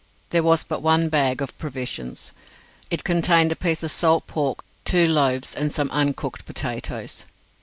There was but one bag of provisions. It contained a piece of salt pork, two loaves, and some uncooked potatoes.